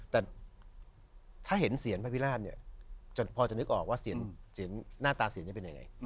แต่ถ้าเห็นเสียนพระพิราบเนี่ยพอจะนึกออกว่าเสียงหน้าตาเสียงจะเป็นยังไง